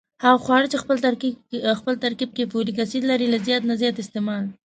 هغه خواړه چې خپل ترکیب کې فولک اسید لري له زیات نه زیات استعمال